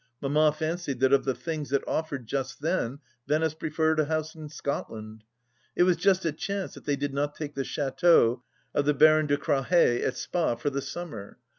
Mamma fancied that of the things that offered just then Venice pre ferred a house in Scotland ; it was just a chance that they did not take the chateau of the Baron De Crawhez at Spa for the summer.